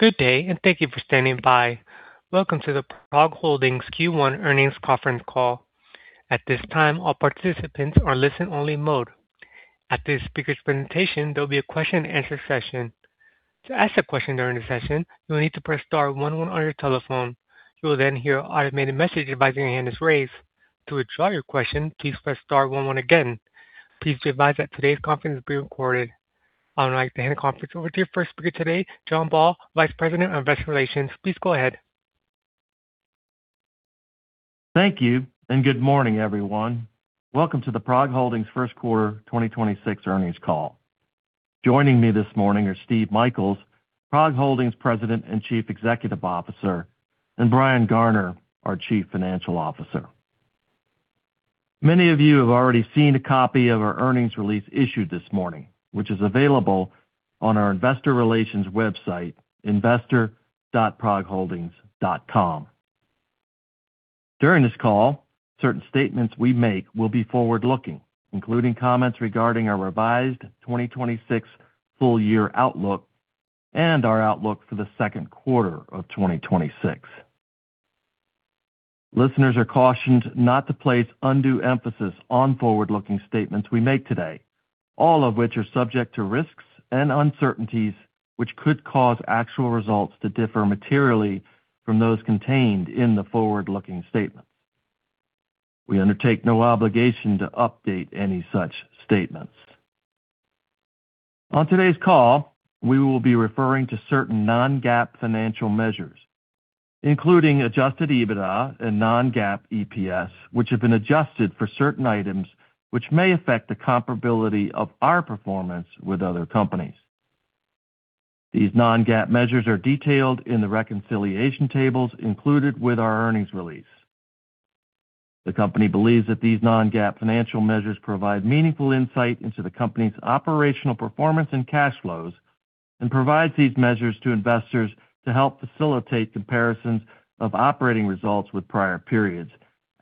Good day and thank you for standing by. Welcome to the PROG Holdings Q1 earnings conference call. At this time, all participants are in listen-only mode. After the speaker's presentation, there'll be a question-and-answer session. To ask a question during the session, you'll need to press star one one on your telephone. You will then hear an automated message advising your hand is raised. To withdraw your question, please press star one one again. Please be advised that today's conference is being recorded. I would like to hand the conference over to your first speaker today, John Baugh, Vice President of Investor Relations. Please go ahead. Thank you, and good morning, everyone. Welcome to the PROG Holdings first quarter 2026 earnings call. Joining me this morning are Steve Michaels, PROG Holdings President and Chief Executive Officer, and Brian Garner, our Chief Financial Officer. Many of you have already seen a copy of our earnings release issued this morning, which is available on our Investor Relations website, investor.progholdings.com. During this call, certain statements we make will be forward-looking, including comments regarding our revised 2026 full-year outlook and our outlook for the second quarter of 2026. Listeners are cautioned not to place undue emphasis on forward-looking statements we make today, all of which are subject to risks and uncertainties which could cause actual results to differ materially from those contained in the forward-looking statements. We undertake no obligation to update any such statements. On today's call, we will be referring to certain non-GAAP financial measures, including adjusted EBITDA and non-GAAP EPS, which have been adjusted for certain items which may affect the comparability of our performance with other companies. These non-GAAP measures are detailed in the reconciliation tables included with our earnings release. The company believes that these non-GAAP financial measures provide meaningful insight into the company's operational performance and cash flows and provides these measures to investors to help facilitate comparisons of operating results with prior periods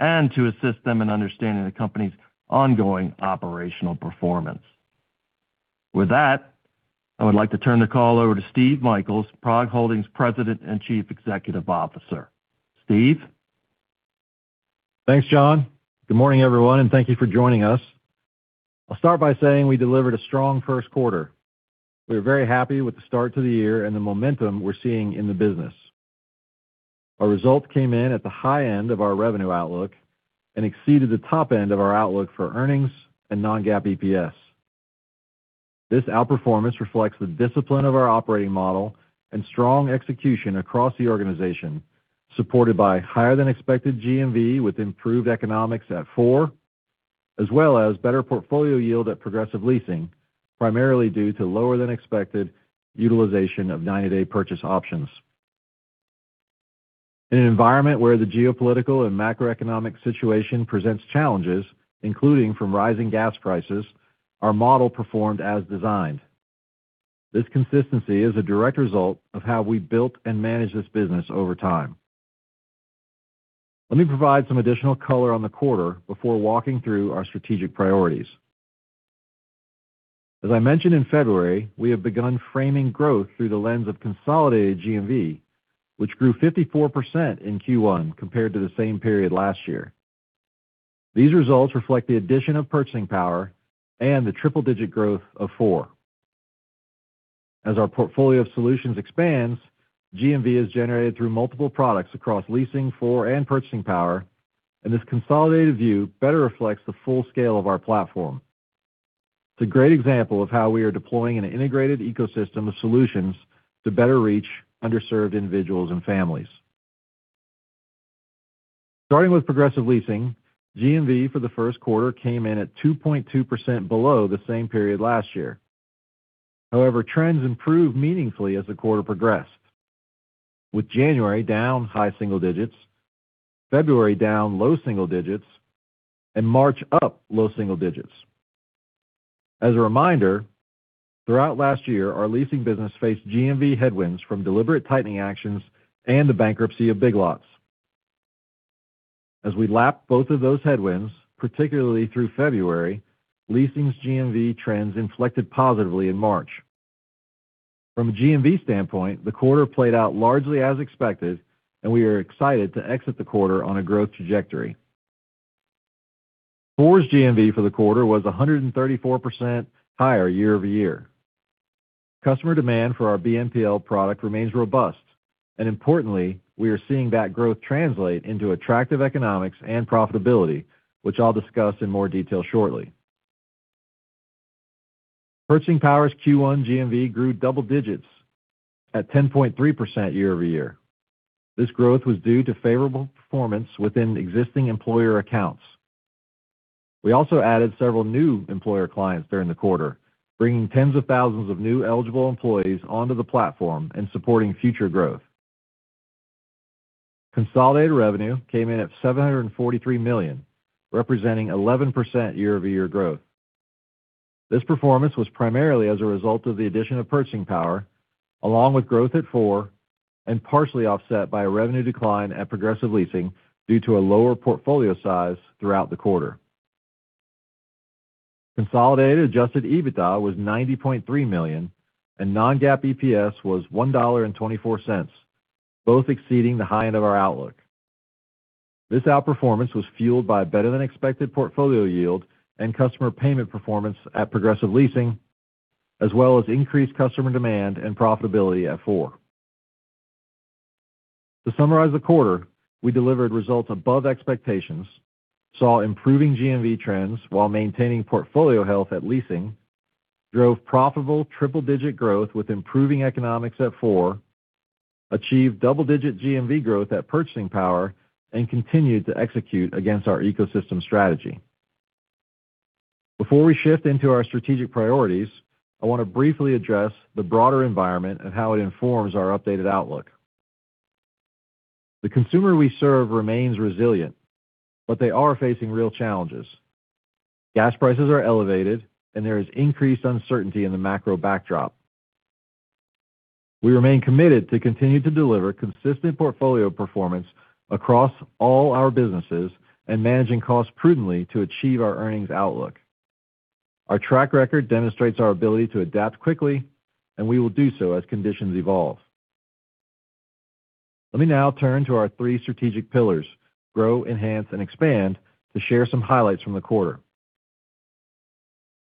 and to assist them in understanding the company's ongoing operational performance. With that, I would like to turn the call over to Steve Michaels, PROG Holdings President and Chief Executive Officer. Steve? Thanks, John. Good morning, everyone and thank you for joining us. I'll start by saying we delivered a strong first quarter. We are very happy with the start to the year and the momentum we're seeing in the business. Our results came in at the high end of our revenue outlook and exceeded the top end of our outlook for earnings and non-GAAP EPS. This outperformance reflects the discipline of our operating model and strong execution across the organization, supported by higher-than-expected GMV with improved economics at Four, as well as better portfolio yield at Progressive Leasing, primarily due to lower than expected utilization of 90-day purchase options. In an environment where the geopolitical and macroeconomic situation presents challenges, including from rising gas prices, our model performed as designed. This consistency is a direct result of how we built and managed this business over time. Let me provide some additional color on the quarter before walking through our strategic priorities. As I mentioned in February, we have begun framing growth through the lens of consolidated GMV, which grew 54% in Q1 compared to the same period last year. These results reflect the addition of Purchasing Power and the triple-digit growth of Four. As our portfolio of solutions expands, GMV is generated through multiple products across Leasing, Four, and Purchasing Power, and this consolidated view better reflects the full scale of our platform. It's a great example of how we are deploying an integrated ecosystem of solutions to better reach underserved individuals and families. Starting with Progressive Leasing, GMV for the first quarter came in at 2.2% below the same period last year. However, trends improved meaningfully as the quarter progressed, with January down high single digits, February down low single digits, and March up low single digits. As a reminder, throughout last year, our leasing business faced GMV headwinds from deliberate tightening actions and the bankruptcy of Big Lots. As we lapped both of those headwinds, particularly through February, Leasing's GMV trends inflected positively in March. From a GMV standpoint, the quarter played out largely as expected, and we are excited to exit the quarter on a growth trajectory. Four's GMV for the quarter was 134% high year-over-year. Customer demand for our BNPL product remains robust, and importantly, we are seeing that growth translate into attractive economics and profitability, which I'll discuss in more detail shortly. Purchasing Power's Q1 GMV grew double digits at 10.3% year-over-year. This growth was due to favorable performance within existing employer accounts. We also added several new employer clients during the quarter, bringing tens of thousands of new eligible employees onto the platform and supporting future growth. Consolidated revenue came in at $743 million, representing 11% year-over-year growth. This performance was primarily as a result of the addition of Purchasing Power along with growth at Four and partially offset by a revenue decline at Progressive Leasing due to a lower portfolio size throughout the quarter. Consolidated adjusted EBITDA was $90.3 million, and non-GAAP EPS was $1.24, both exceeding the high end of our outlook. This outperformance was fueled by better-than-expected portfolio yield and customer payment performance at Progressive Leasing, as well as increased customer demand and profitability at Four. To summarize the quarter, we delivered results above expectations, saw improving GMV trends while maintaining portfolio health at Leasing, drove profitable triple-digit growth with improving economics at Four, achieved double-digit GMV growth at Purchasing Power, and continued to execute against our ecosystem strategy. Before we shift into our strategic priorities, I want to briefly address the broader environment and how it informs our updated outlook. The consumer we serve remains resilient, but they are facing real challenges. Gas prices are elevated, and there is increased uncertainty in the macro backdrop. We remain committed to continue to deliver consistent portfolio performance across all our businesses and managing costs prudently to achieve our earnings outlook. Our track record demonstrates our ability to adapt quickly, and we will do so as conditions evolve. Let me now turn to our three strategic pillars, Grow, Enhance, and Expand, to share some highlights from the quarter.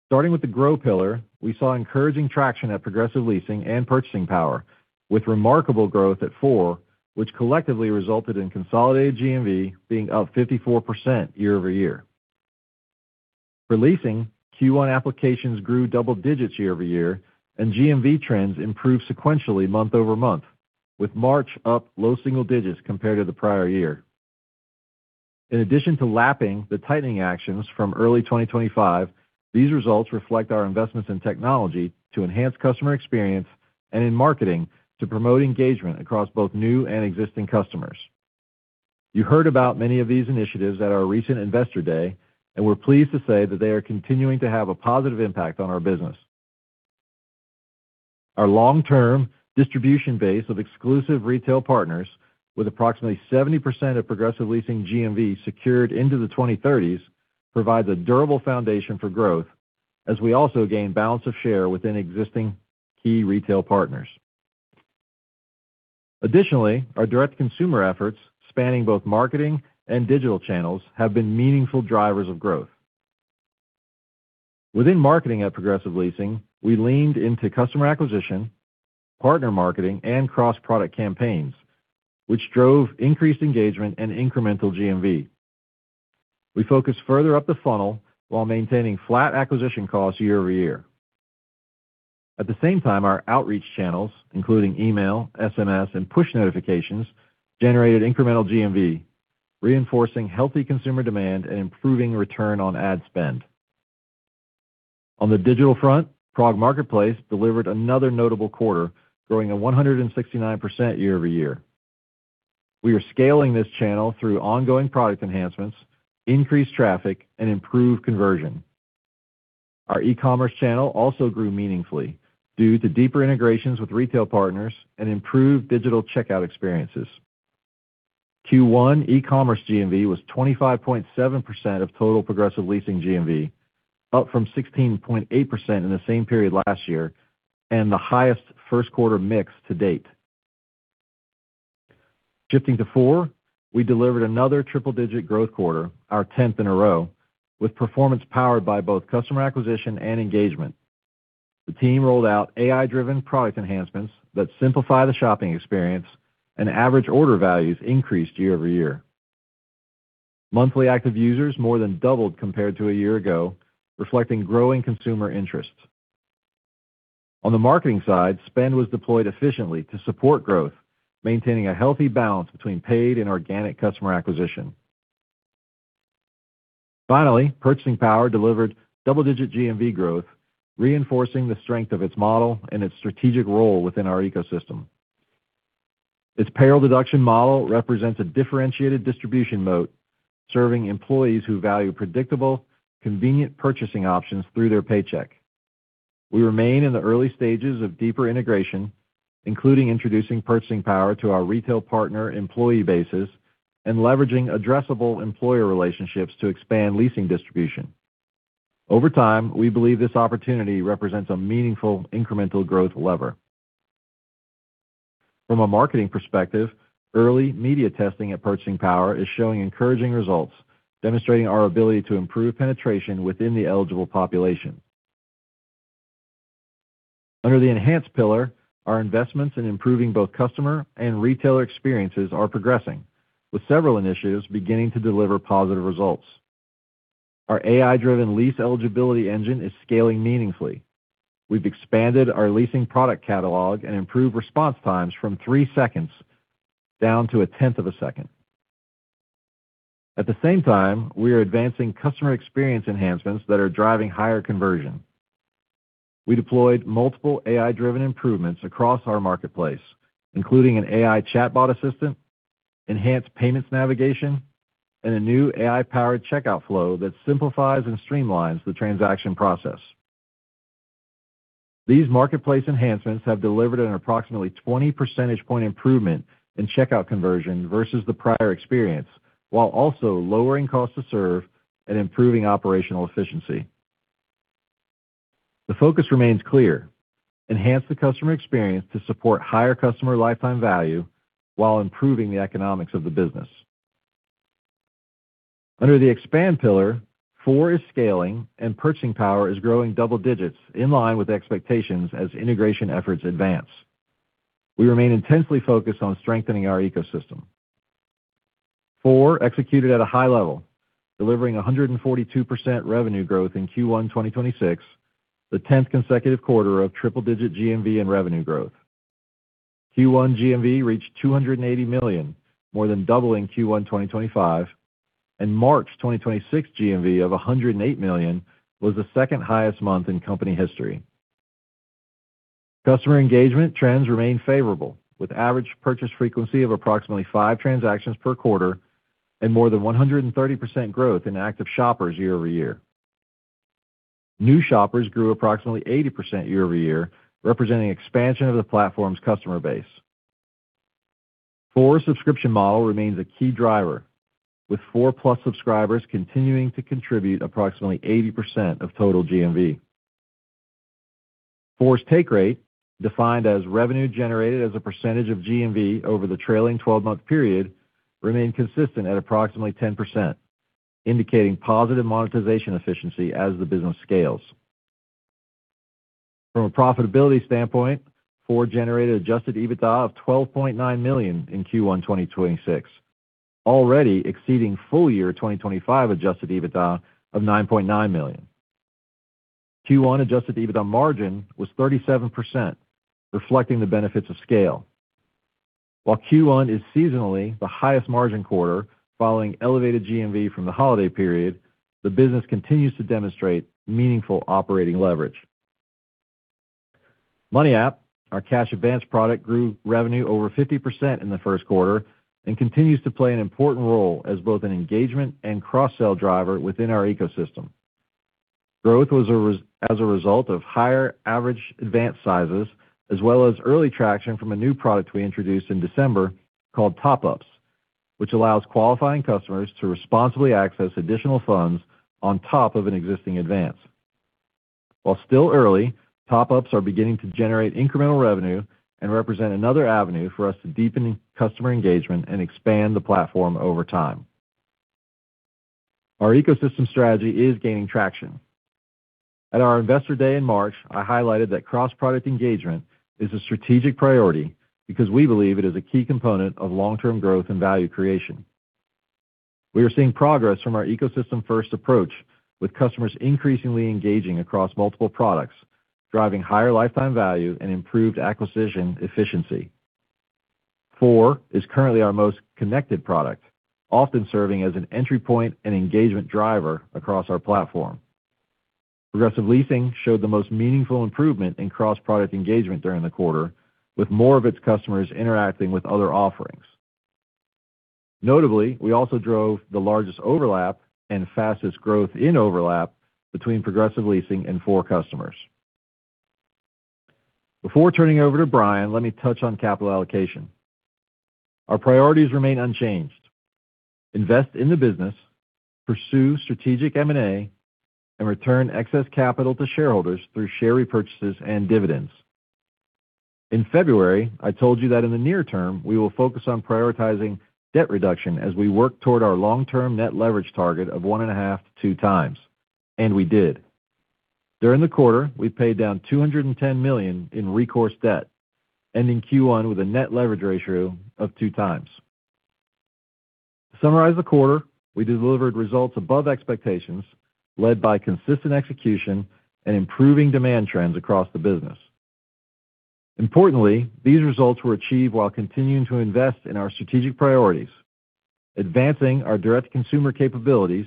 Starting with the Grow pillar, we saw encouraging traction at Progressive Leasing and Purchasing Power, with remarkable growth at Four, which collectively resulted in consolidated GMV being up 54% year-over-year. For Leasing, Q1 applications grew double digits year over year, and GMV trends improved sequentially month-over-month, with March up low single digits compared to the prior year. In addition to lapping the tightening actions from early 2025, these results reflect our investments in technology to enhance customer experience and in marketing to promote engagement across both new and existing customers. You heard about many of these initiatives at our recent Investor Day. We're pleased to say that they are continuing to have a positive impact on our business. Our long-term distribution base of exclusive retail partners with approximately 70% of Progressive Leasing GMV secured into the 2030s provides a durable foundation for growth as we also gain balance of share within existing key retail partners. Additionally, our direct-to-consumer efforts spanning both marketing and digital channels have been meaningful drivers of growth. Within marketing at Progressive Leasing, we leaned into customer acquisition, partner marketing, and cross-product campaigns, which drove increased engagement and incremental GMV. We focused further up the funnel while maintaining flat acquisition costs year over year. At the same time, our outreach channels, including email, SMS, and push notifications, generated incremental GMV, reinforcing healthy consumer demand and improving return on ad spend. On the digital front, PROG Marketplace delivered another notable quarter, growing at 169% year-over-year. We are scaling this channel through ongoing product enhancements, increased traffic, and improved conversion. Our e-commerce channel also grew meaningfully due to deeper integrations with retail partners and improved digital checkout experiences. Q1 e-commerce GMV was 25.7% of total Progressive Leasing GMV, up from 16.8% in the same period last year and the highest first quarter mix to date. Shifting to Four, we delivered another triple-digit growth quarter, our 10th in a row, with performance powered by both customer acquisition and engagement. The team rolled out AI-driven product enhancements that simplify the shopping experience and average order values increased year over year. Monthly active users more than doubled compared to a year ago, reflecting growing consumer interest. On the marketing side, spend was deployed efficiently to support growth, maintaining a healthy balance between paid and organic customer acquisition. Finally, Purchasing Power delivered double-digit GMV growth, reinforcing the strength of its model and its strategic role within our ecosystem. Its payroll deduction model represents a differentiated distribution mode, serving employees who value predictable, convenient purchasing options through their paycheck. We remain in the early stages of deeper integration, including introducing Purchasing Power to our retail partner employee bases and leveraging addressable employer relationships to expand leasing distribution. Over time, we believe this opportunity represents a meaningful incremental growth lever. From a marketing perspective, early media testing at Purchasing Power is showing encouraging results, demonstrating our ability to improve penetration within the eligible population. Under the Enhanced pillar, our investments in improving both customer and retailer experiences are progressing, with several initiatives beginning to deliver positive results. Our AI-driven lease eligibility engine is scaling meaningfully. We've expanded our leasing product catalog and improved response times from three seconds down to a tenth of a second. At the same time, we are advancing customer experience enhancements that are driving higher conversion. We deployed multiple AI-driven improvements across our PROG Marketplace, including an AI chatbot assistant, enhanced payments navigation, and a new AI-powered checkout flow that simplifies and streamlines the transaction process. These PROG Marketplace enhancements have delivered an approximately 20 percentage point improvement in checkout conversion versus the prior experience, while also lowering cost to serve and improving operational efficiency. The focus remains clear. Enhance the customer experience to support higher customer lifetime value while improving the economics of the business. Under the Expand pillar, Four is scaling and Purchasing Power is growing double digits in line with expectations as integration efforts advance. We remain intensely focused on strengthening our ecosystem. Four, executed at a high level, delivering 142% revenue growth in Q1 2026, the 10th consecutive quarter of triple-digit GMV and revenue growth. Q1 GMV reached $280 million, more than doubling Q1 2025, and March 2026 GMV of $108 million was the second-highest month in company history. Customer engagement trends remain favorable, with average purchase frequency of approximately five transactions per quarter and more than 130% growth in active shoppers year over year. New shoppers grew approximately 80% year-over-year, representing expansion of the platform's customer base. Four subscription model remains a key driver, with Four+ subscribers continuing to contribute approximately 80% of total GMV. Four's take rate, defined as revenue generated as a percentage of GMV over the trailing-12-month period, remained consistent at approximately 10%, indicating positive monetization efficiency as the business scales. From a profitability standpoint, Four generated adjusted EBITDA of $12.9 million in Q1 2026, already exceeding full-year 2025 adjusted EBITDA of $9.9 million. Q1 adjusted EBITDA margin was 37%, reflecting the benefits of scale. While Q1 is seasonally the highest margin quarter following elevated GMV from the holiday period, the business continues to demonstrate meaningful operating leverage. Money App, our cash advance product, grew revenue over 50% in the first quarter and continues to play an important role as both an engagement and cross-sell driver within our ecosystem. Growth was as a result of higher average advance sizes as well as early traction from a new product we introduced in December called Top-Ups, which allows qualifying customers to responsibly access additional funds on top of an existing advance. While still early, Top-Ups are beginning to generate incremental revenue and represent another avenue for us to deepen customer engagement and expand the platform over time. Our ecosystem strategy is gaining traction. At our Investor Day in March, I highlighted that cross-product engagement is a strategic priority because we believe it is a key component of long-term growth and value creation. We are seeing progress from our ecosystem-first approach, with customers increasingly engaging across multiple products, driving higher lifetime value and improved acquisition efficiency. Four is currently our most connected product, often serving as an entry point and engagement driver across our platform. Progressive Leasing showed the most meaningful improvement in cross-product engagement during the quarter, with more of its customers interacting with other offerings. Notably, we also drove the largest overlap and fastest growth in overlap between Progressive Leasing and Four customers. Before turning over to Brian, let me touch on capital allocation. Our priorities remain unchanged. Invest in the business, pursue strategic M&A, and return excess capital to shareholders through share repurchases and dividends. In February, I told you that in the near term, we will focus on prioritizing debt reduction as we work toward our long-term net leverage target of 1.5x-2x, and we did. During the quarter, we paid down $210 million in recourse debt, ending Q1 with a net leverage ratio of 2x. To summarize the quarter, we delivered results above expectations, led by consistent execution and improving demand trends across the business. Importantly, these results were achieved while continuing to invest in our strategic priorities, advancing our direct consumer capabilities,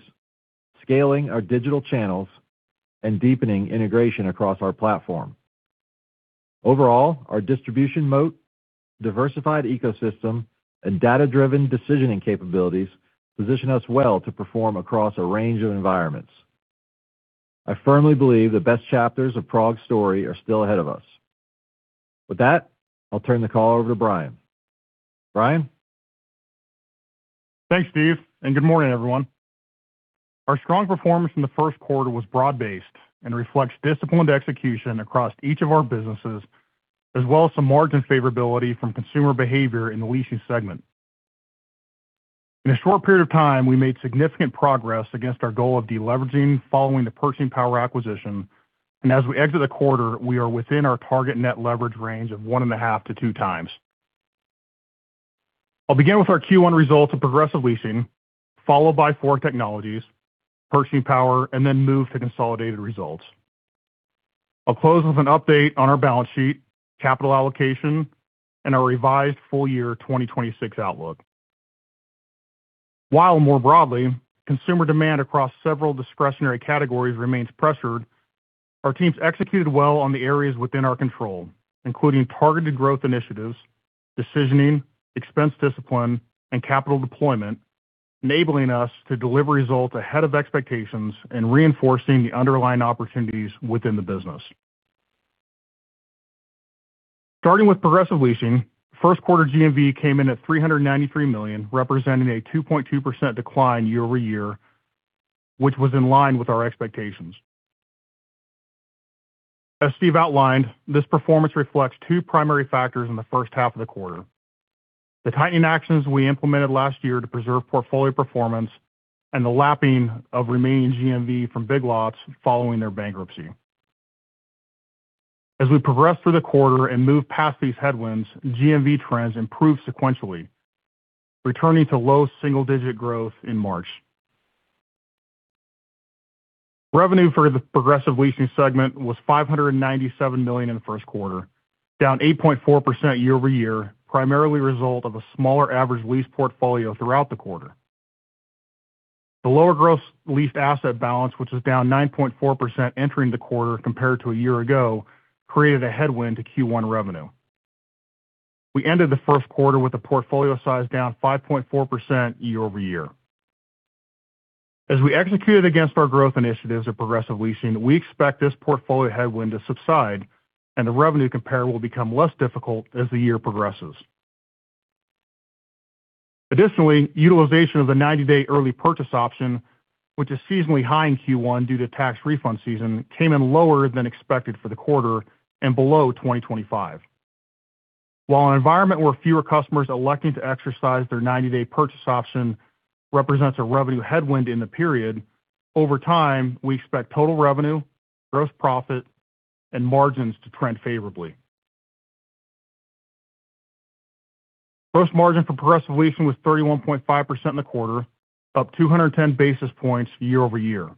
scaling our digital channels, and deepening integration across our platform. Overall, our distribution moat, diversified ecosystem, and data-driven decisioning capabilities position us well to perform across a range of environments. I firmly believe the best chapters of PROG's story are still ahead of us. With that, I'll turn the call over to Brian. Brian? Thanks, Steve, and good morning, everyone. Our strong performance in the first quarter was broad-based and reflects disciplined execution across each of our businesses, as well as some margin favorability from consumer behavior in the Leasing segment. In a short period of time, we made significant progress against our goal of deleveraging following the Purchasing Power acquisition. As we exit the quarter, we are within our target net leverage range of 1.5x-2x. I'll begin with our Q1 results of Progressive Leasing, followed by Four Technologies, Purchasing Power, and then move to consolidated results. I'll close with an update on our balance sheet, capital allocation, and our revised full-year 2026 outlook. While more broadly, consumer demand across several discretionary categories remains pressured, our teams executed well on the areas within our control, including targeted growth initiatives, decisioning, expense discipline, and capital deployment, enabling us to deliver results ahead of expectations and reinforcing the underlying opportunities within the business. Starting with Progressive Leasing, first quarter GMV came in at $393 million, representing a 2.2% decline year-over-year, which was in line with our expectations. As Steve outlined, this performance reflects two primary factors in the first half of the quarter. The tightening actions we implemented last year to preserve portfolio performance and the lapping of remaining GMV from Big Lots following their bankruptcy. As we progress through the quarter and move past these headwinds, GMV trends improve sequentially, returning to low single-digit growth in March. Revenue for the Progressive Leasing segment was $597 million in the first quarter, down 8.4% year-over-year, primarily a result of a smaller average lease portfolio throughout the quarter. The lower gross leased asset balance, which is down 9.4% entering the quarter compared to a year ago, created a headwind to Q1 revenue. We ended the first quarter with a portfolio size down 5.4% year-over-year. As we executed against our growth initiatives at Progressive Leasing, we expect this portfolio headwind to subside and the revenue compare will become less difficult as the year progresses. Additionally, utilization of the 90-day early purchase option, which is seasonally high in Q1 due to tax refund season, came in lower than expected for the quarter and below 2025. While an environment where fewer customers electing to exercise their 90-day purchase option represents a revenue headwind in the period, over time, we expect total revenue, gross profit and margins to trend favorably. Gross margin for Progressive Leasing was 31.5% in the quarter, up 210 basis points year-over-year.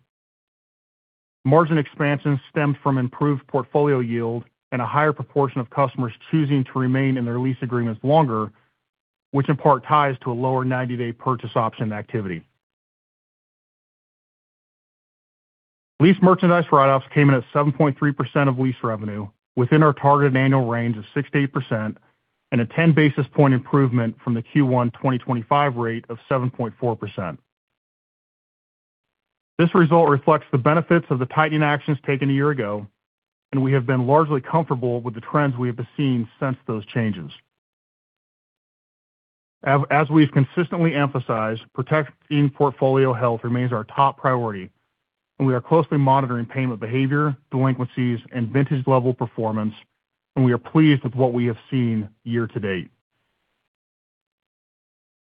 Margin expansion stemmed from improved portfolio yield and a higher proportion of customers choosing to remain in their lease agreements longer, which in part ties to a lower 90-day purchase option activity. Leased merchandise write-offs came in at 7.3% of lease revenue within our targeted annual range of 6%-8% and a 10-basis point improvement from the Q1 2025 rate of 7.4%. This result reflects the benefits of the tightening actions taken a year ago, and we have been largely comfortable with the trends we have been seeing since those changes. As we've consistently emphasized, protecting portfolio health remains our top priority, and we are closely monitoring payment behavior, delinquencies and vintage-level performance, and we are pleased with what we have seen year to date.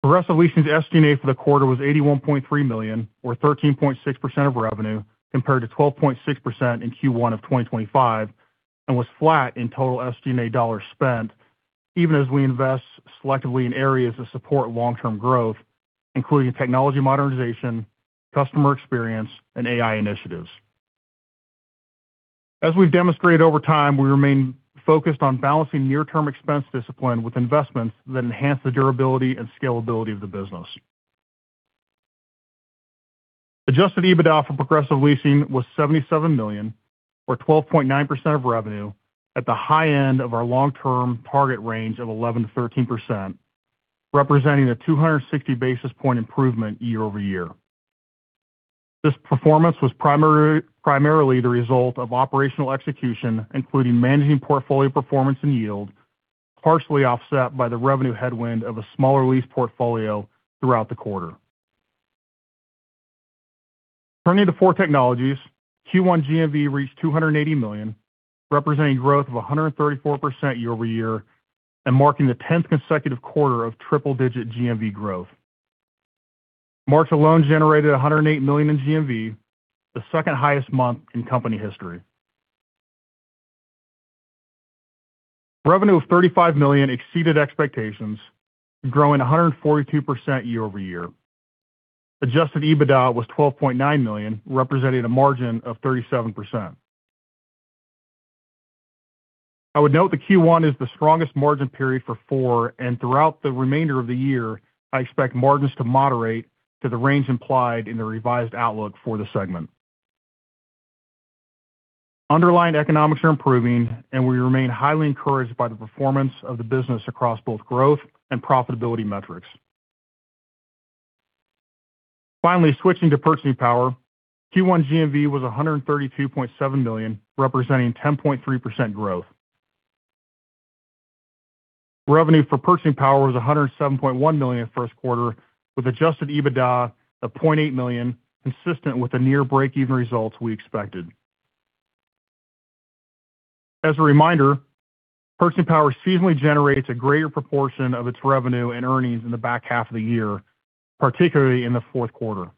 Progressive Leasing's SG&A for the quarter was $81.3 million, or 13.6% of revenue, compared to 12.6% in Q1 of 2025, and was flat in total SG&A dollars spent even as we invest selectively in areas that support long-term growth, including technology modernization, customer experience, and AI initiatives. As we've demonstrated over time, we remain focused on balancing near-term expense discipline with investments that enhance the durability and scalability of the business. Adjusted EBITDA for Progressive Leasing was $77 million or 12.9% of revenue at the high end of our long-term target range of 11%-13%, representing a 260-basis point improvement year over year. This performance was primarily the result of operational execution, including managing portfolio performance and yield, partially offset by the revenue headwind of a smaller lease portfolio throughout the quarter. Turning to Four Technologies. Q1 GMV reached $280 million, representing growth of 134% year-over-year, and marking the 10th consecutive quarter of triple-digit GMV growth. March alone generated $108 million in GMV, the second highest month in company history. Revenue of $35 million exceeded expectations, growing 142% year-over-year. Adjusted EBITDA was $12.9 million, representing a margin of 37%. I would note that Q1 is the strongest margin period for Four, and throughout the remainder of the year, I expect margins to moderate to the range implied in the revised outlook for the segment. Underlying economics are improving, and we remain highly encouraged by the performance of the business across both growth and profitability metrics. Finally switching to Purchasing Power. Q1 GMV was $132.7 million, representing 10.3% growth. Revenue for Purchasing Power was $107.1 million in the first quarter, with adjusted EBITDA of $0.8 million, consistent with the near breakeven results we expected. As a reminder, Purchasing Power seasonally generates a greater proportion of its revenue and earnings in the back half of the year, particularly in the fourth quarter.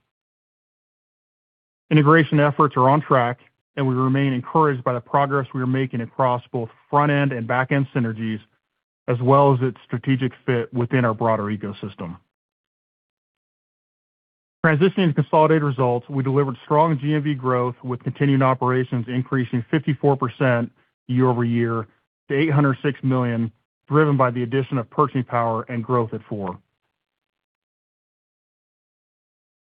Integration efforts are on track. We remain encouraged by the progress we are making across both front-end and back-end synergies, as well as its strategic fit within our broader ecosystem. Transitioning to consolidated results. We delivered strong GMV growth, with continuing operations increasing 54% year-over-year to $806 million, driven by the addition of Purchasing Power and growth at Four.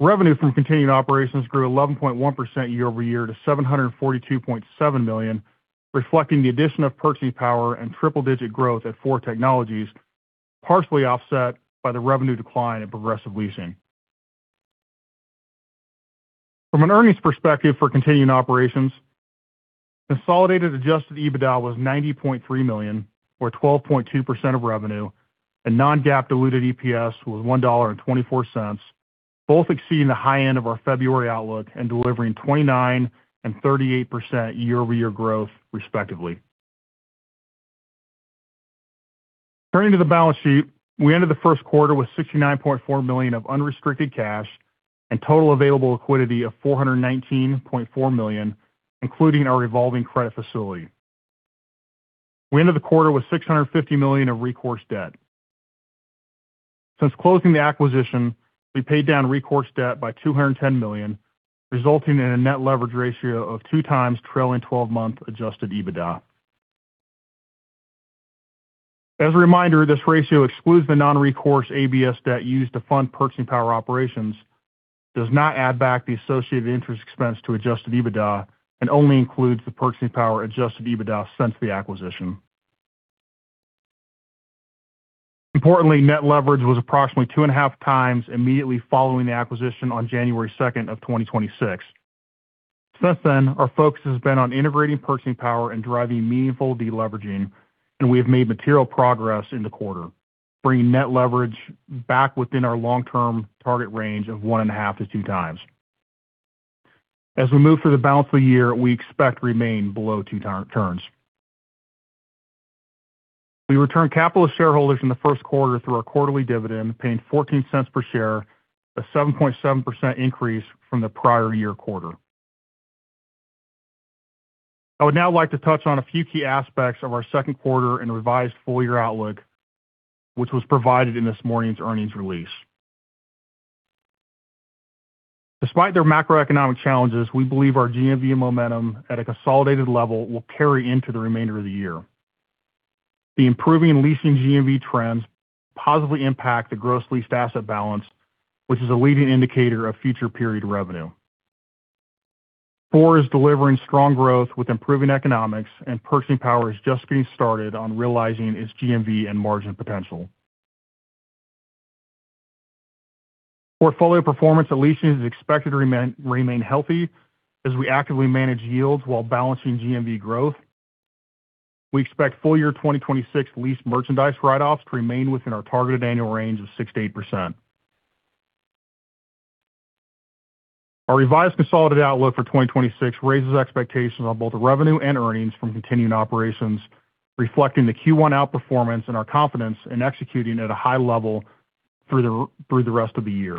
Revenue from continuing operations grew 11.1% year-over-year to $742.7 million, reflecting the addition of Purchasing Power and triple-digit growth at Four Technologies, partially offset by the revenue decline at Progressive Leasing. From an earnings perspective for continuing operations, consolidated adjusted EBITDA was $90.3 million, or 12.2% of revenue, and non-GAAP diluted EPS was $1.24, both exceeding the high end of our February outlook and delivering 29% and 38% year-over-year growth respectively. Turning to the balance sheet, we ended the first quarter with $69.4 million of unrestricted cash and total available liquidity of $419.4 million, including our revolving credit facility. We ended the quarter with $650 million of recourse debt. Since closing the acquisition, we paid down recourse debt by $210 million, resulting in a net leverage ratio of 2x trailing 12-month adjusted EBITDA. As a reminder, this ratio excludes the non-recourse ABS debt used to fund Purchasing Power operations, does not add back the associated interest expense to adjusted EBITDA, and only includes the Purchasing Power adjusted EBITDA since the acquisition. Importantly, net leverage was approximately 2.5x immediately following the acquisition on January 2nd of 2026. Since then, our focus has been on integrating Purchasing Power and driving meaningful deleveraging, and we have made material progress in the quarter, bringing net leverage back within our long-term target range of 1.5x-2x. As we move through the balance of the year, we expect to remain below two turns. We returned capital to shareholders in the first quarter through our quarterly dividend, paying $0.14 per share, a 7.7% increase from the prior year quarter. I would now like to touch on a few key aspects of our second quarter and revised full-year outlook, which was provided in this morning's earnings release. Despite their macroeconomic challenges, we believe our GMV momentum at a consolidated level will carry into the remainder of the year. The improving leasing GMV trends positively impact the gross leased asset balance, which is a leading indicator of future period revenue. Four is delivering strong growth with improving economics, and Purchasing Power is just getting started on realizing its GMV and margin potential. Portfolio performance at leasing is expected to remain healthy as we actively manage yields while balancing GMV growth. We expect full-year 2026 leased merchandise write-offs to remain within our targeted annual range of 6%-8%. Our revised consolidated outlook for 2026 raises expectations on both revenue and earnings from continuing operations, reflecting the Q1 outperformance and our confidence in executing at a high level through the rest of the year.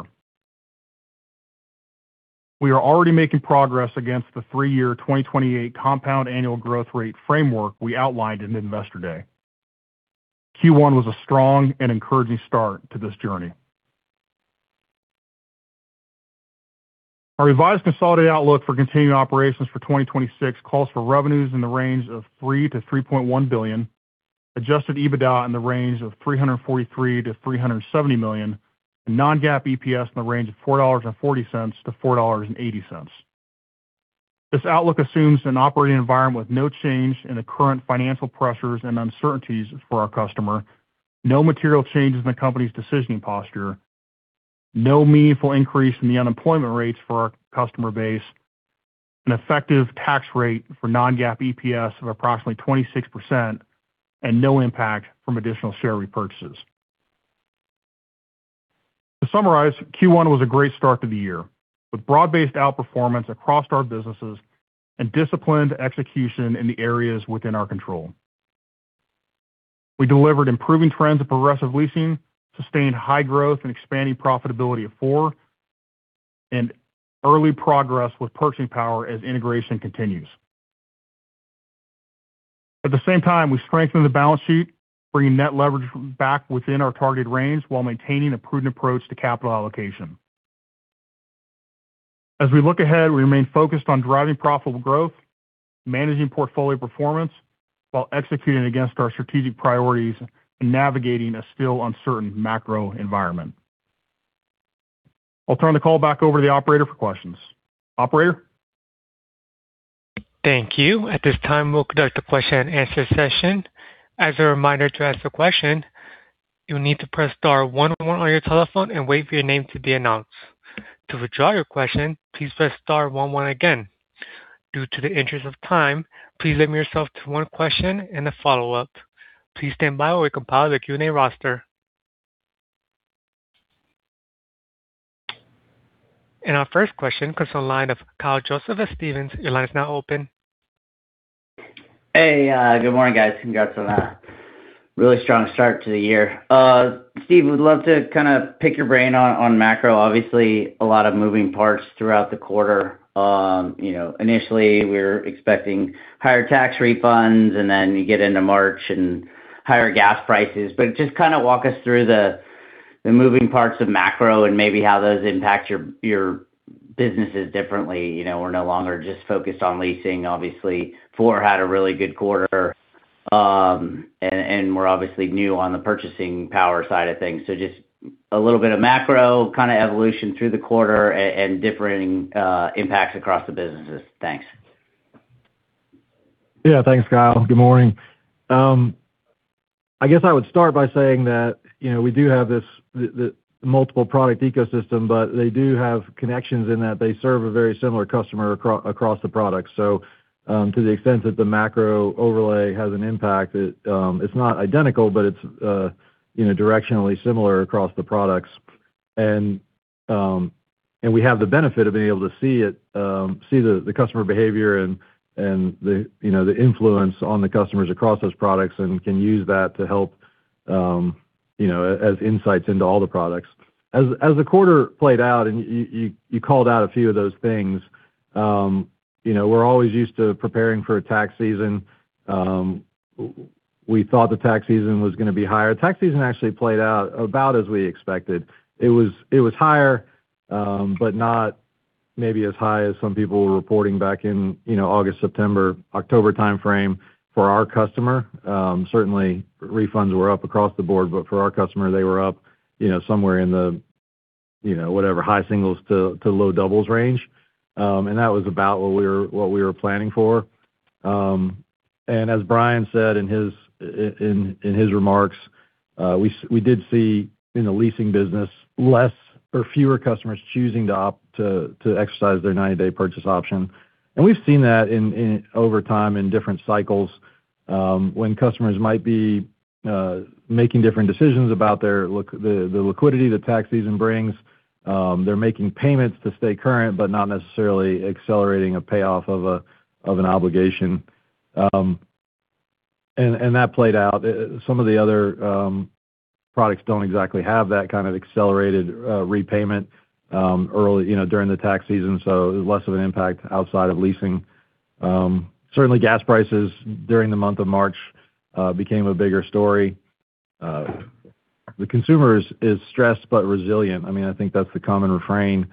We are already making progress against the three-year 2028 compound annual growth rate framework we outlined in Investor Day. Q1 was a strong and encouraging start to this journey. Our revised consolidated outlook for continuing operations for 2026 calls for revenues in the range of $3 billion-$3.1 billion, adjusted EBITDA in the range of $343 million-$370 million, and non-GAAP EPS in the range of $4.40-$4.80. This outlook assumes an operating environment with no change in the current financial pressures and uncertainties for our customer, no material changes in the company's decisioning posture, no meaningful increase in the unemployment rates for our customer base, an effective tax rate for non-GAAP EPS of approximately 26%, and no impact from additional share repurchases. To summarize, Q1 was a great start to the year, with broad-based outperformance across our businesses and disciplined execution in the areas within our control. We delivered improving trends of Progressive Leasing, sustained high growth and expanding profitability of Four, and early progress with Purchasing Power as integration continues. At the same time, we strengthened the balance sheet, bringing net leverage back within our targeted range while maintaining a prudent approach to capital allocation. As we look ahead, we remain focused on driving profitable growth, managing portfolio performance while executing against our strategic priorities and navigating a still uncertain macro environment. I'll turn the call back over to the operator for questions. Operator? Thank you. At this time, we'll conduct a question-and-answer session. As a reminder, to ask a question, you'll need to press star one one on your telephone and wait for your name to be announced. To withdraw your question, please press star one one again. Due to the interest of time, please limit yourself to one question and a follow-up. Please stand by while we compile the Q&A roster. Our first question comes from the line of Kyle Joseph of Stephens. Your line is now open. Hey, good morning, guys. Congrats on a really strong start to the year. Steve, would love to kind of pick your brain on macro. Obviously, a lot of moving parts throughout the quarter. You know, initially, we're expecting higher tax refunds, and then you get into March and higher gas prices. Just kind of walk us through the moving parts of macro and maybe how those impact your businesses differently. You know, we're no longer just focused on leasing, obviously. Four had a really good quarter, and we're obviously new on the Purchasing Power side of things. Just a little bit of macro kinda evolution through the quarter and differing impacts across the businesses. Thanks. Yeah. Thanks, Kyle. Good morning. I guess I would start by saying that, you know, we do have the multiple product ecosystem, but they do have connections in that they serve a very similar customer across the product. To the extent that the macro-overlay has an impact, it's not identical, but it's, you know, directionally similar across the products. We have the benefit of being able to see the customer behavior and the, you know, the influence on the customers across those products and can use that to help, you know, as insights into all the products. As the quarter played out and you called out a few of those things, you know, we're always used to preparing for a tax season. We thought the tax season was gonna be higher. Tax season actually played out about as we expected. It was higher, but not maybe as high as some people were reporting back in, you know, August, September, October timeframe for our customer. Certainly refunds were up across the board, for our customer, they were up, you know, somewhere in the, you know, whatever high singles to low doubles range. That was about what we were planning for. As Brian said in his remarks, we did see in the leasing business less or fewer customers choosing to opt to exercise their 90-day purchase option. We've seen that in over time in different cycles, when customers might be making different decisions about the liquidity the tax season brings. They're making payments to stay current, but not necessarily accelerating a payoff of an obligation. That played out. Some of the other products don't exactly have that kind of accelerated repayment, you know, during the tax season, so less of an impact outside of leasing. Certainly gas prices during the month of March became a bigger story. The consumer is stressed but resilient. I mean, I think that's the common refrain.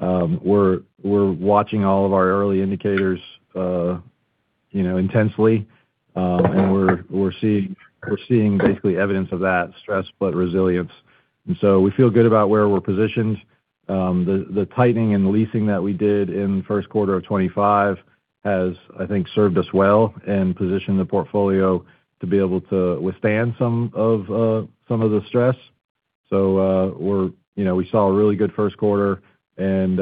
We're watching all of our early indicators, you know, intensely. We're seeing basically evidence of that stress but resilient. So we feel good about where we're positioned. The tightening and leasing that we did in the first quarter of 2025 has, I think, served us well and positioned the portfolio to be able to withstand some of the stress. You know, we saw a really good first quarter and,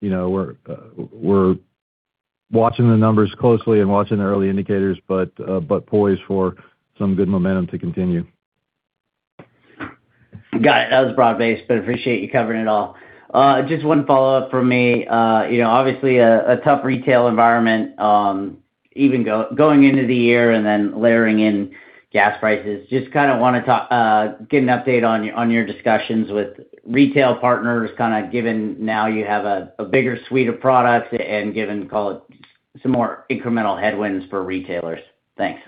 you know, we're watching the numbers closely and watching the early indicators, but poised for some good momentum to continue. Got it. That was broad-based, but appreciate you covering it all. Just one follow-up from me. You know, obviously a tough retail environment, even going into the year and then layering in gas prices. Just kinda wanna talk, get an update on your discussions with retail partners, kinda given now you have a bigger suite of products and given, call it some more incremental headwinds for retailers. Thanks.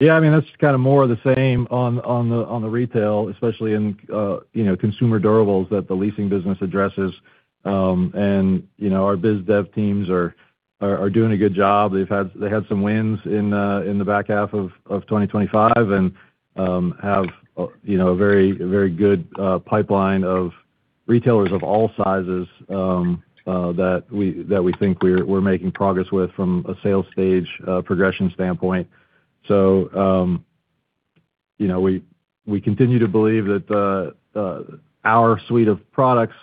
Yeah. I mean, that's kinda more of the same on the retail, especially in consumer durables that the leasing business addresses. Our biz dev teams are doing a good job. They've had some wins in the back half of 2025 and have a very good pipeline of retailers of all sizes that we think we're making progress with from a sales stage progression standpoint. We continue to believe that our suite of products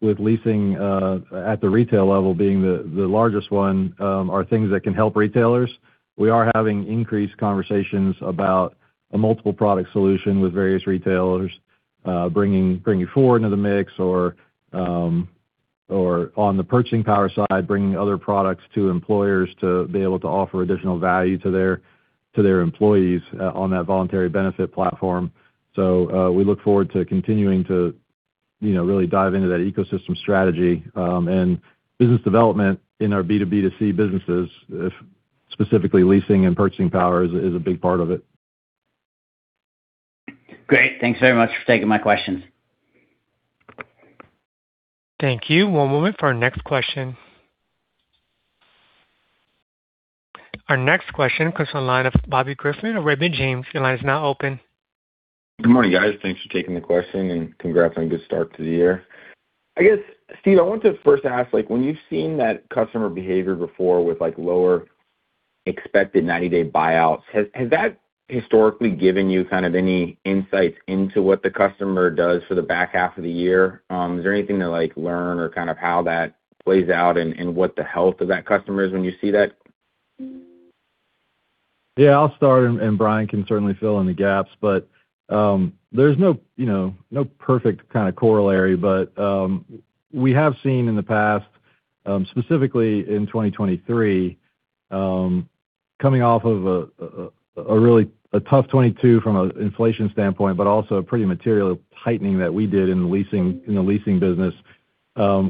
with leasing at the retail level being the largest one are things that can help retailers. We are having increased conversations about a multiple product solution with various retailers, bringing Four into the mix or on the Purchasing Power side, bringing other products to employers to be able to offer additional value to their employees on that voluntary benefit platform. We look forward to continuing to, you know, really dive into that ecosystem strategy and business development in our B2B2C businesses, in specifically Leasing and Purchasing Power is a big part of it. Great. Thanks very much for taking my questions. Thank you. One moment for our next question. Our next question comes to the line of Bobby Griffin of Raymond James. Your line is now open. Good morning, guys. Thanks for taking the question and congrats on a good start to the year. I guess, Steve, I wanted to first ask, like when you've seen that customer behavior before with like lower expected 90-day buyout, has that historically given you kind of any insights into what the customer does for the back half of the year? Is there anything to like learn or kind of how that plays out and what the health of that customer is when you see that? Yeah. I'll start and Brian can certainly fill in the gaps. There's no, you know, no perfect kinda corollary. We have seen in the past, specifically in 2023, coming off of a really tough 2022 from a inflation standpoint, but also a pretty material tightening that we did in the leasing business.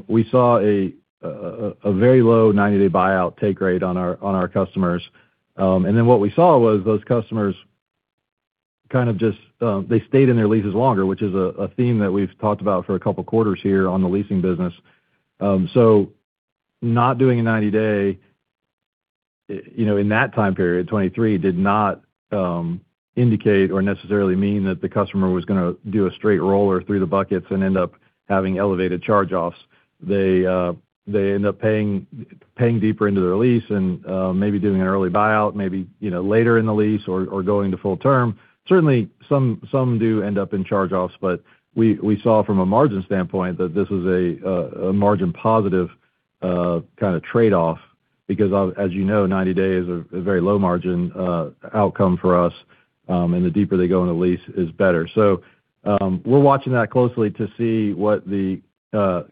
We saw a very low 90-day buyout take rate on our customers. What we saw was those customers kind of just they stayed in their leases longer, which is a theme that we've talked about for a couple quarters here on the leasing business. Not doing a 90-day, you know, in that time period, 2023, did not indicate or necessarily mean that the customer was gonna do a straight roll or through the buckets and end up having elevated charge-offs. They end up paying deeper into their lease and maybe doing an early buyout, you know, later in the lease or going to full term. Certainly, some do end up in charge-offs, but we saw from a margin standpoint that this was a margin positive kinda trade-off because as you know, 90 days are a very low margin outcome for us, and the deeper they go in the lease is better. We're watching that closely to see what the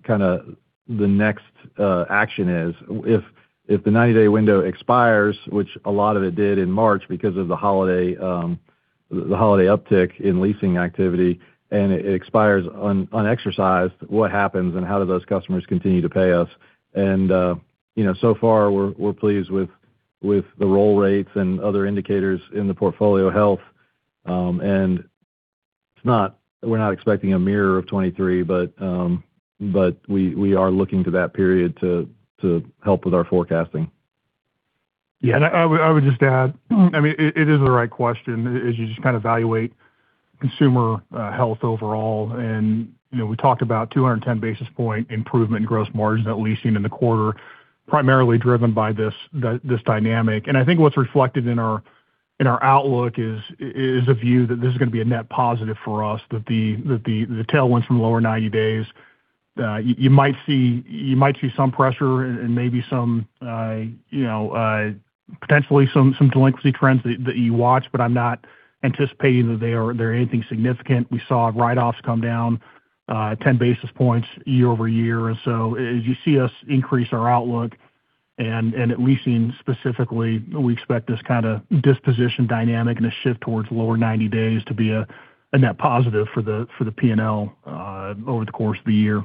kinda the next action is. If the 90-day window expires, which a lot of it did in March because of the holiday uptick in leasing activity, and it expires unexercised, what happens and how do those customers continue to pay us? You know, so far we're pleased with the roll rates and other indicators in the portfolio health. We're not expecting a mirror of 2023, but we are looking to that period to help with our forecasting. Yeah. I would just add, I mean, it is the right question as you just kind of evaluate consumer health overall. We talked about 210 basis point improvement in gross margins at leasing in the quarter, primarily driven by this dynamic. I think what's reflected in our outlook is a view that this is gonna be a net positive for us, that the tailwinds from lower 90 days, you might see some pressure and maybe some potentially some delinquency trends that you watch, but I'm not anticipating that they're anything significant. We saw write-offs come down 10 basis points year-over-year. As you see us increase our outlook and at leasing specifically, we expect this kinda disposition dynamic and a shift towards lower 90 days to be a net positive for the P&L over the course of the year.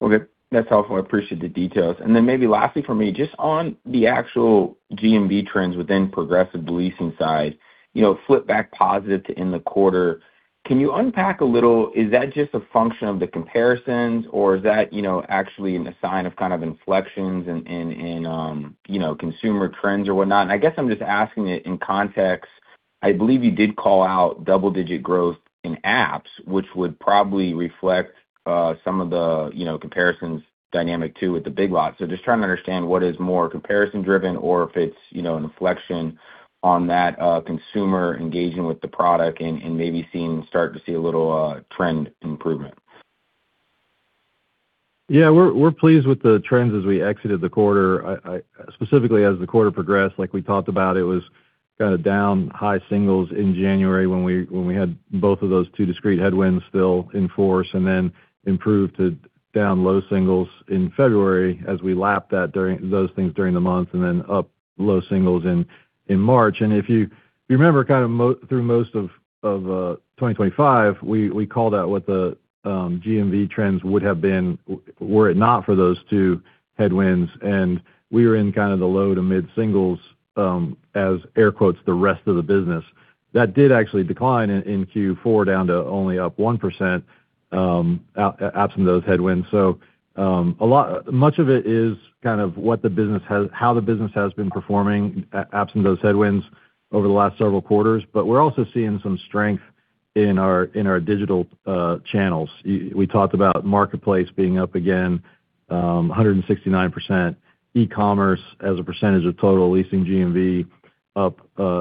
Okay. That's helpful. I appreciate the details. Maybe lastly from me, just on the actual GMV trends within Progressive Leasing side, you know, flip back positive in the quarter. Can you unpack a little? Is that just a function of the comparisons or is that, you know, actually a sign of kind of inflections in consumer trends or whatnot? I guess I'm just asking it in context. I believe you did call out double-digit growth in apps, which would probably reflect some of the, you know, comparisons dynamic too with Big Lots. Just trying to understand what is more comparison-driven or if it's, you know, an inflection on that consumer engaging with the product and maybe start to see a little trend improvement. Yeah. We're pleased with the trends as we exited the quarter. Specifically as the quarter progressed, like we talked about, it was kinda down high singles in January when we had both of those two discrete headwinds still in force, and then improved to down low singles in February as we lapped those things during the month, and then up low singles in March. If you remember kind of through most of 2025, we called out what the GMV trends would have been were it not for those two headwinds. We were in kind of the low to mid singles as air quotes, "the rest of the business." That did actually decline in Q4 down to only up 1%, absent those headwinds. Much of it is kind of what the business has been performing absent those headwinds over the last several quarters. But we're also seeing some strength in our digital channels. We talked about marketplace being up again 169%. E-commerce as a percentage of total leasing GMV up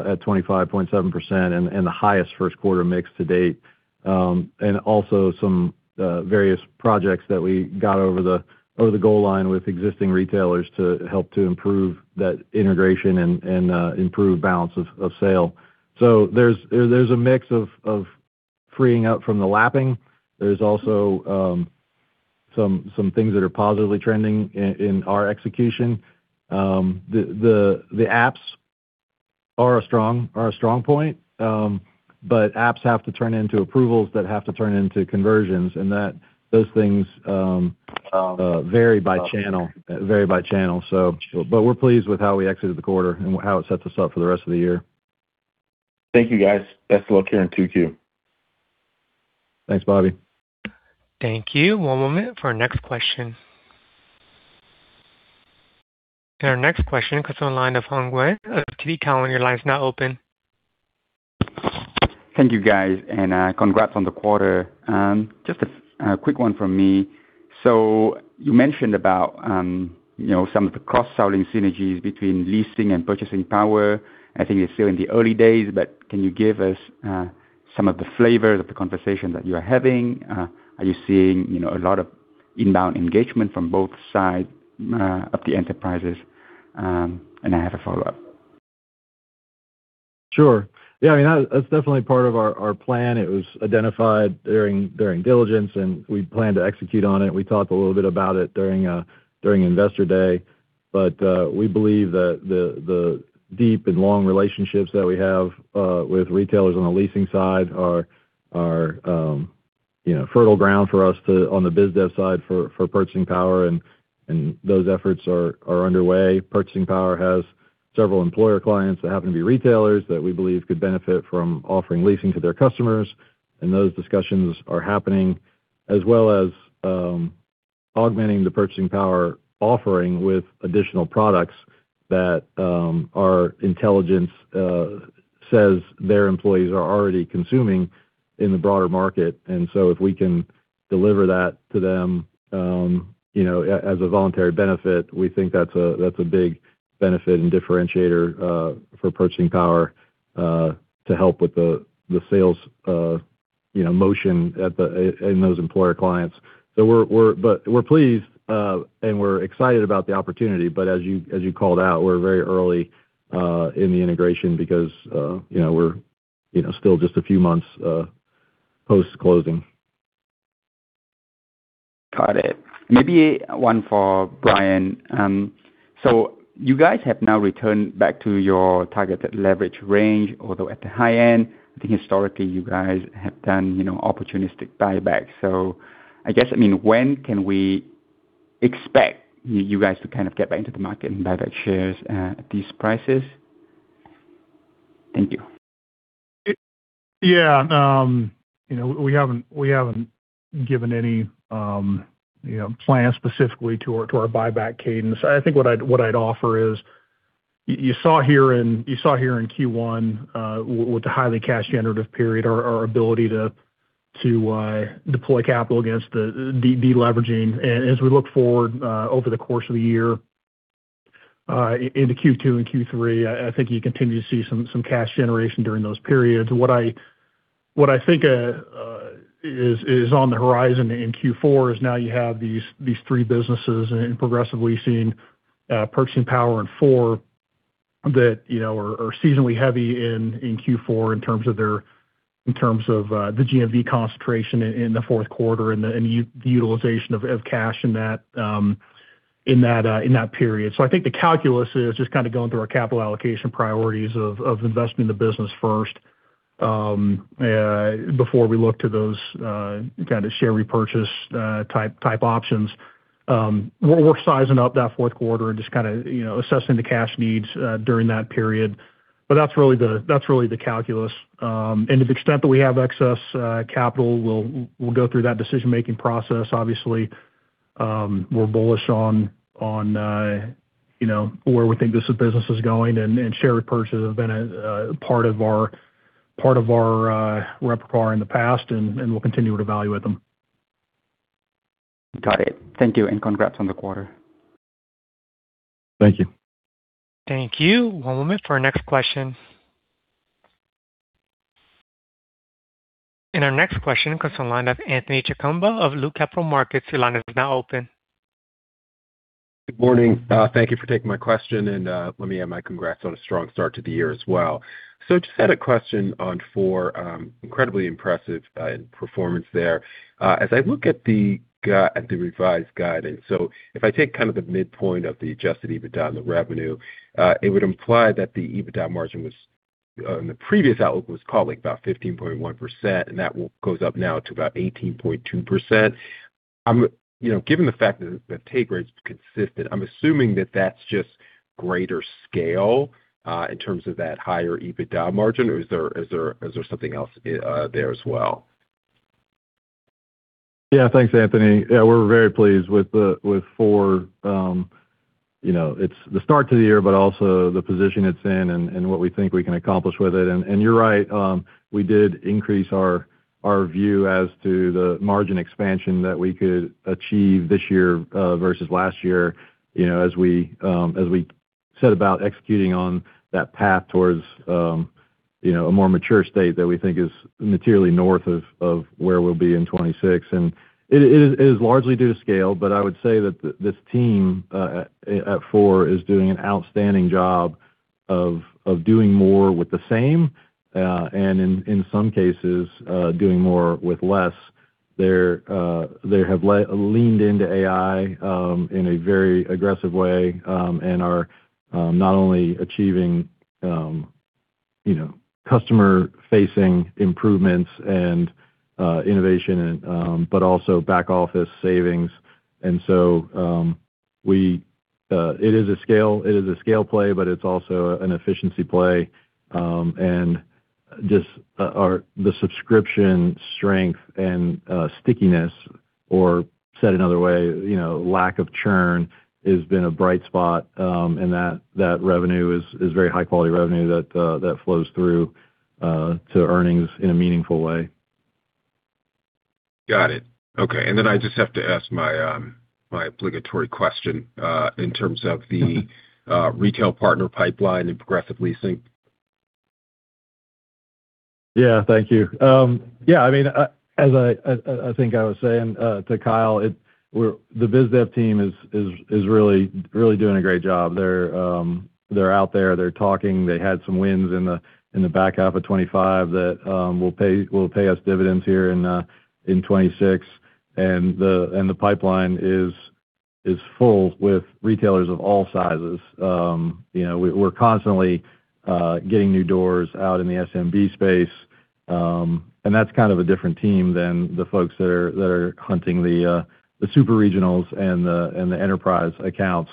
at 25.7% and the highest first quarter mix to date. And also some various projects that we got over the goal line with existing retailers to help improve that integration and improve balance of sale. There's a mix of freeing up from the lapping. There's also some things that are positively trending in our execution. The apps are a strong point. Apps have to turn into approvals that have to turn into conversions, and that those things vary by channel. We're pleased with how we exited the quarter and how it sets us up for the rest of the year. Thank you, guys. Best of luck here in 2Q. Thanks, Bobby. Thank you. One moment for our next question. Our next question comes on the line of Hoang Nguyen of TD Cowen. Your line is now open. Thank you, guys. Congrats on the quarter. Just a quick one from me. You mentioned about, you know, some of the cost-saving synergies between Leasing and Purchasing Power. I think it's still in the early days, but can you give us some of the flavor of the conversation that you are having? Are you seeing, you know, a lot of inbound engagement from both sides of the enterprises? And I have a follow-up. Sure. Yeah, I mean, that's definitely part of our plan. It was identified during diligence, and we plan to execute on it. We talked a little bit about it during Investor Day. We believe that the deep and long relationships that we have with retailers on the leasing side are you know, fertile ground for us on the business side for Purchasing Power and those efforts are underway. Purchasing Power has several employer clients that happen to be retailers that we believe could benefit from offering leasing to their customers, and those discussions are happening. As well as augmenting the Purchasing Power offering with additional products that our intelligence says their employees are already consuming in the broader market. If we can deliver that to them, you know, as a voluntary benefit, we think that's a big benefit and differentiator for Purchasing Power to help with the sales, you know, motion in those employer clients. We're pleased and we're excited about the opportunity. As you called out, we're very early in the integration because, you know, we're still just a few months post-closing. Got it. Maybe one for Brian. You guys have now returned back to your targeted leverage range, although at the high end. I think historically you guys have done, you know, opportunistic buyback. I guess, I mean, when can we expect you guys to kind of get back into the market and buyback shares at these prices? Thank you. Yeah. You know, we haven't given any, you know, plans specifically to our buyback cadence. I think what I'd offer is you saw here in Q1 with the highly cash generative period, our ability to deploy capital against the deleveraging. As we look forward over the course of the year into Q2 and Q3, I think you continue to see some cash generation during those periods. What I think is on the horizon in Q4 is now you have these three businesses, Progressive Leasing, Purchasing Power, and Four that, you know, are seasonally heavy in Q4 in terms of their the GMV concentration in the fourth quarter and utilization of cash in that period. I think the calculus is just kinda going through our capital allocation priorities of investing in the business first before we look to those kinda share repurchase type options. We're sizing up that fourth quarter and just kinda, you know, assessing the cash needs during that period. That's really the calculus. To the extent that we have excess capital, we'll go through that decision-making process. Obviously, we're bullish on you know, where we think this business is going and share repurchase have been a part of our repertoire in the past, and we'll continue to evaluate them. Got it. Thank you, and congrats on the quarter. Thank you. Thank you. One moment for our next question. Our next question comes from the line of Anthony Chukumba of Loop Capital Markets. Your line is now open. Good morning. Thank you for taking my question, and let me add my congrats on a strong start to the year as well. Just had a question on Four. Incredibly impressive performance there. As I look at the revised guidance, if I take kind of the midpoint of the adjusted EBITDA and the revenue, it would imply that the EBITDA margin was in the previous outlook calling about 15.1%, and that goes up now to about 18.2%. You know, given the fact that take rate is consistent, I'm assuming that that's just greater scale in terms of that higher EBITDA margin or is there something else there as well? Yeah. Thanks, Anthony. Yeah, we're very pleased with Four. You know, it's the start to the year, but also the position it's in and what we think we can accomplish with it. You're right, we did increase our view as to the margin expansion that we could achieve this year versus last year, you know, as we set about executing on that path towards a more mature state that we think is materially north of where we'll be in 2026. It is largely due to scale, but I would say that this team at Four is doing an outstanding job of doing more with the same and in some cases doing more with less. They have leaned into AI in a very aggressive way and are not only achieving you know customer-facing improvements and innovation but also back-office savings. It is a scale play but it's also an efficiency play. Just the subscription strength and stickiness or said another way you know lack of churn has been a bright spot and that revenue is very high-quality revenue that flows through to earnings in a meaningful way. Got it. Okay. And then I just have to ask my obligatory question in terms of the retail partner pipeline in Progressive Leasing. Yeah. Thank you. Yeah, I mean, as I think I was saying to Kyle, the biz dev team is really doing a great job. They're out there, they're talking. They had some wins in the back half of 2025 that will pay us dividends here in 2026. The pipeline is full with retailers of all sizes. You know, we're constantly getting new doors out in the SMB space, and that's kind of a different team than the folks that are hunting the super regionals and the enterprise accounts.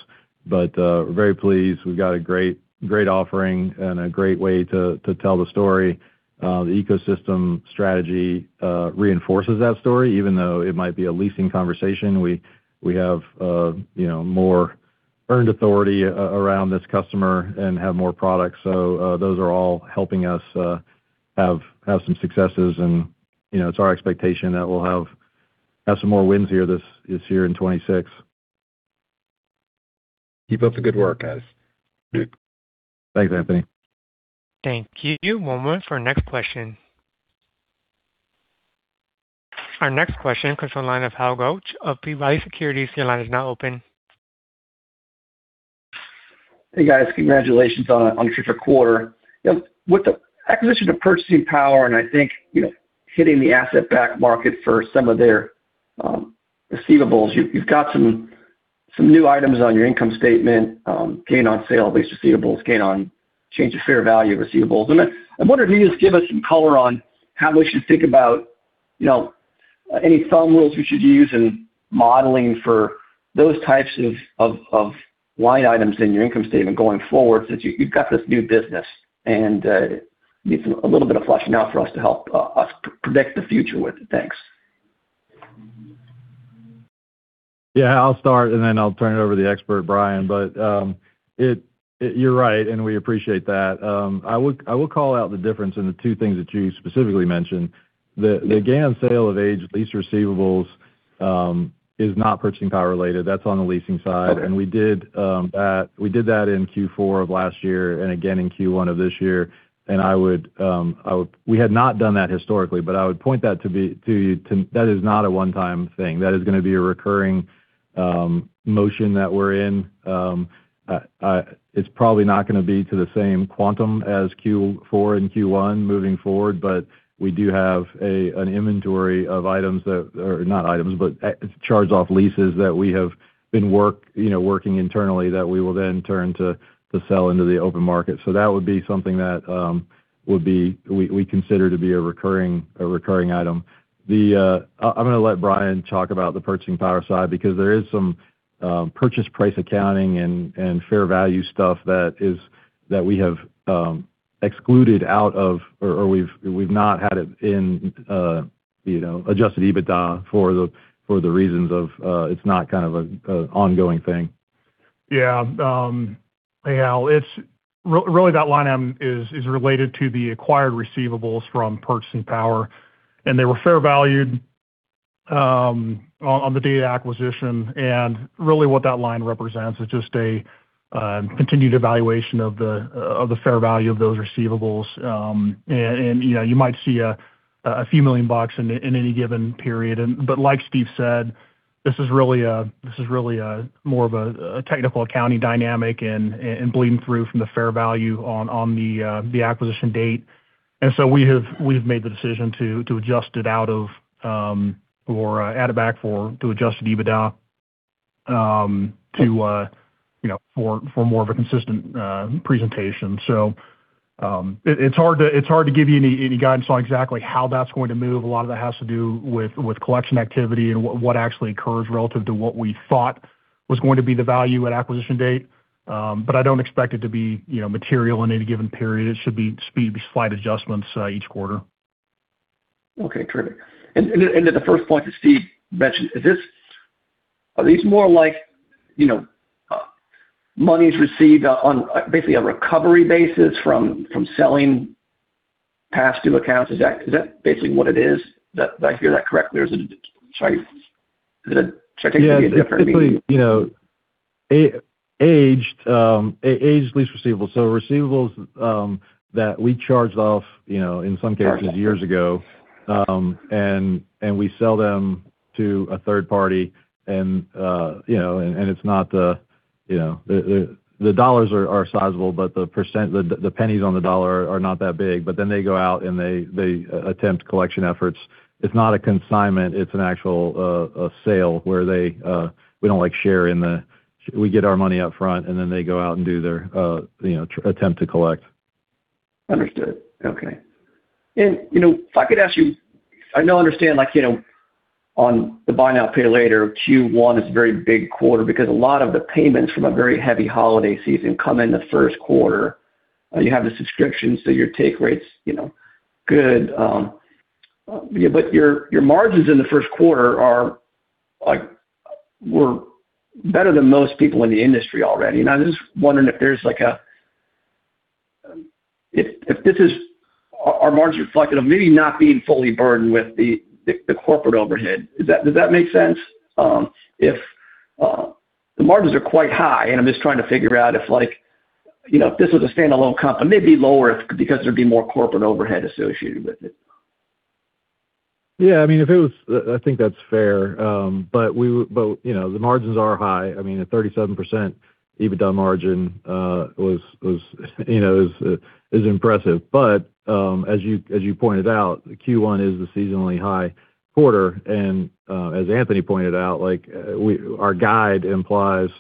We're very pleased. We've got a great offering and a great way to tell the story. The ecosystem strategy reinforces that story. Even though it might be a leasing conversation, we have, you know, more earned authority around this customer and have more products. Those are all helping us have some successes and, you know, it's our expectation that we'll have some more wins here this year in 2026. Keep up the good work, guys. Thanks, Anthony. Thank you. One moment for our next question. Our next question comes from the line of Hal Goetsch of B. Riley Securities. Your line is now open. Hey, guys. Congratulations on a super quarter. You know, with the acquisition of Purchasing Power, and I think, you know, hitting the asset-backed market for some of their receivables, you've got some new items on your income statement, gain on sale of lease receivables, gain on change of fair value of receivables. I wonder if you could just give us some color on how we should think about, you know, any thumb rules we should use in modeling for those types of line items in your income statement going forward since you've got this new business and need a little bit of fleshing out for us to help us predict the future with it. Thanks. Yeah. I'll start, and then I'll turn it over to the expert, Brian. But you're right, and we appreciate that. I will call out the difference in the two things that you specifically mentioned. The gain on sale of aged lease receivables, is not Purchasing Power related. That's on the Leasing side. We did that in Q4 of last year and again in Q1 of this year. We had not done that historically, but I would point that that is not a one-time thing. That is gonna be a recurring motion that we're in. It's probably not gonna be to the same quantum as Q4 and Q1 moving forward, but we do have an inventory of items that, or not items, but charged-off leases that we have been, you know, working internally that we will then turn to sell into the open market. That would be something that we consider to be a recurring item. I'm gonna let Brian talk about the Purchasing Power side because there is some purchase price accounting and fair value stuff that we have excluded out of or we've not had it in, you know, adjusted EBITDA for the reasons of, it's not kind of a ongoing thing. Yeah. Hey, Hal. It's really that line item is related to the acquired receivables from Purchasing Power, and they were fair valued on the date of acquisition. Really what that line represents is just a continued evaluation of the fair value of those receivables. You know, you might see a few million bucks in any given period. Like Steve said, this is really a more of a technical accounting dynamic and bleeding through from the fair value on the acquisition date. We have made the decision to adjust it out of, or add it back to adjusted EBITDA, to, you know, for more of a consistent presentation. It's hard to give you any guidance on exactly how that's going to move. A lot of that has to do with collection activity and what actually occurs relative to what we thought was going to be the value at acquisition date. I don't expect it to be, you know, material in any given period. It should be speed slight adjustments each quarter. Okay. Terrific. The first point that Steve mentioned, are these more like, you know, monies received on basically a recovery basis from selling past due accounts? Is that basically what it is? Did I hear that correctly, or is it? Sorry. Did I take that differently? You know, aged lease receivables. So receivables, that we charged off, you know, in some cases years ago, we sell them to a third party, you know, it's not the. The dollars are sizable, but the percent, the pennies on the dollar are not that big. But they go out, and they attempt collection efforts. It's not a consignment. It's an actual sale where we get our money up front, and then they go out and do their, you know, attempt to collect. Understood. Okay. You know, if I could ask you. I now understand, like, you know, on the Buy Now, Pay Later, Q1 is a very big quarter because a lot of the payments from a very heavy holiday season come in the first quarter. You have the subscriptions, so your take rate's, you know, good. But your margins in the first quarter were better than most people in the industry already. I'm just wondering if there's like a, are margins reflective of maybe not being fully burdened with the corporate overhead? Does that make sense? If the margins are quite high, and I'm just trying to figure out if like, you know, if this was a standalone comp, it may be lower because there'd be more corporate overhead associated with it. Yeah. I mean, I think that's fair. You know, the margins are high. I mean, at 37% EBITDA margin, you know, is impressive. As you pointed out, Q1 is the seasonally high quarter, and as Anthony pointed out, like, our guide implies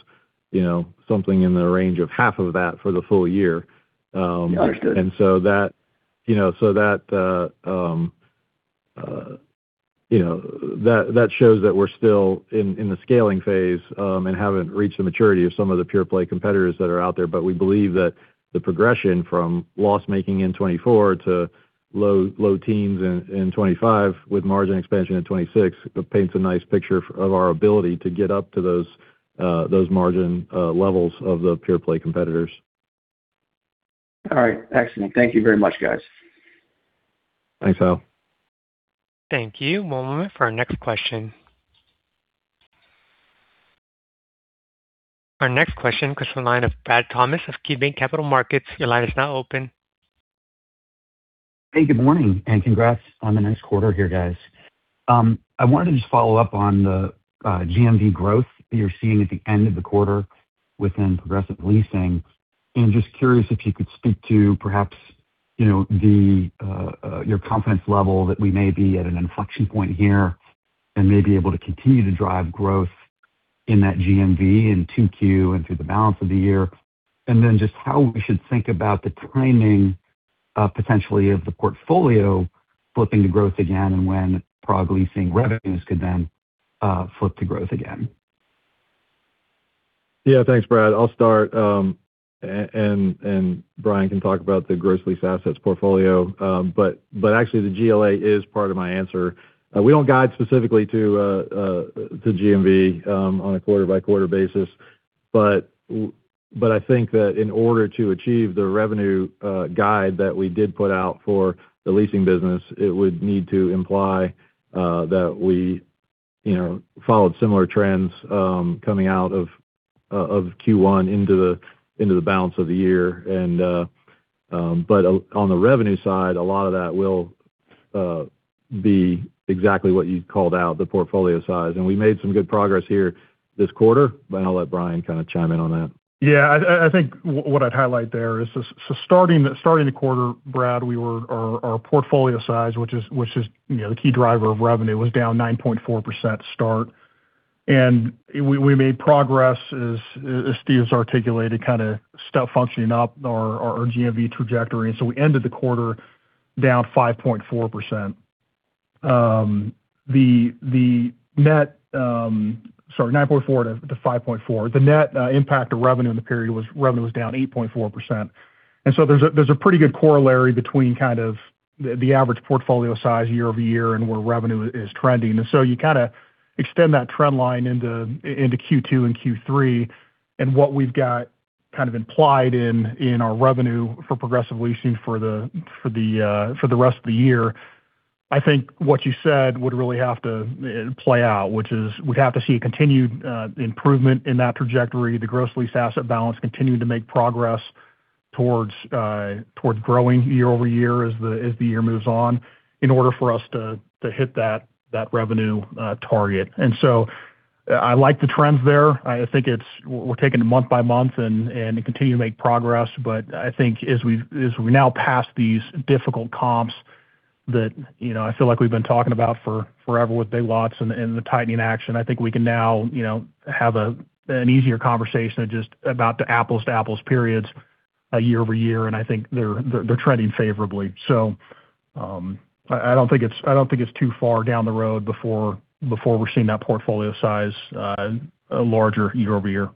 you know, something in the range of half of that for the full year. Understood. You know, so that, you know, that shows that we're still in the scaling phase and haven't reached the maturity of some of the pure play competitors that are out there. We believe that the progression from loss-making in 2024 to low teens in 2025 with margin expansion in 2026 paints a nice picture of our ability to get up to those margin levels of the pure play competitors. All right. Excellent. Thank you very much, guys. Thanks, Hal. Thank you. One moment for our next question. Our next question comes from the line of Brad Thomas of KeyBanc Capital Markets. Your line is now open. Hey, good morning, and congrats on the nice quarter here, guys. I wanted to just follow up on the GMV growth that you're seeing at the end of the quarter within Progressive Leasing. Just curious if you could speak to perhaps, you know, your confidence level that we may be at an inflection point here and may be able to continue to drive growth in that GMV in 2Q and through the balance of the year. And then just how we should think about the timing potentially of the portfolio flipping to growth again and when Progressive Leasing revenues could then flip to growth again. Yeah. Thanks, Brad. I'll start, and Brian can talk about the gross leased assets portfolio. Actually the GLA is part of my answer. We don't guide specifically to GMV on a quarter-by-quarter basis. I think that in order to achieve the revenue guide that we did put out for the leasing business, it would need to imply that we, you know, followed similar trends coming out of Q1 into the balance of the year. On the revenue side, a lot of that will be exactly what you called out, the portfolio size. We made some good progress here this quarter, but I'll let Brian kinda chime in on that. Yeah. I think what I'd highlight there is starting the quarter, Brad, our portfolio size, which is, you know, the key driver of revenue, was down 9.4% start. We made progress as Steve has articulated, kinda step functioning up our GMV trajectory. We ended the quarter down 5.4%. Sorry, 9.4% to 5.4%. The net impact of revenue in the period was down 8.4%. There's a pretty good corollary between kind of the average portfolio size year over year and where revenue is trending. You kinda extend that trend line into Q2 and Q3. What we've got kind of implied in our revenue for Progressive Leasing for the rest of the year. I think what you said would really have to play out, which is we'd have to see a continued improvement in that trajectory, the gross leased asset balance continuing to make progress towards growing year over year as the year moves on, in order for us to hit that revenue target. I like the trends there. I think we're taking it month by month and continue to make progress. I think as we now pass these difficult comps that you know I feel like we've been talking about for forever with Big Lots and the tightening action I think we can now you know have an easier conversation just about the apples-to-apples periods year over year and I think they're trending favorably. I don't think it's too far down the road before we're seeing that portfolio size larger year over year.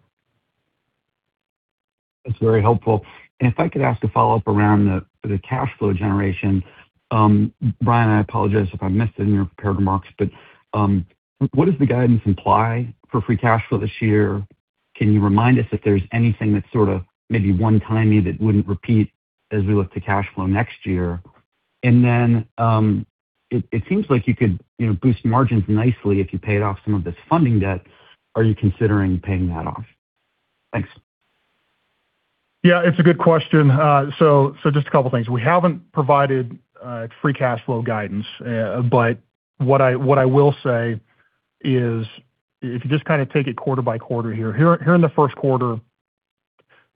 That's very helpful. If I could ask a follow-up around the cash flow generation. Brian, I apologize if I missed it in your prepared remarks, but what does the guidance imply for free cash flow this year? Can you remind us if there's anything that's sorta maybe one-timey that wouldn't repeat as we look to cash flow next year? It seems like you could, you know, boost margins nicely if you paid off some of this funding debt. Are you considering paying that off? Thanks. Yeah, it's a good question. Just a couple of things. We haven't provided free cash flow guidance. What I will say is if you just kinda take it quarter by quarter here. Here in the first quarter,